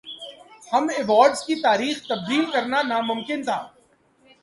ہم ایوارڈز کی تاریخ تبدیل کرنا ناممکن تھا